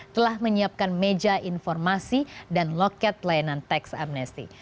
telah menyiapkan meja informasi dan loket pelayanan teks amnesty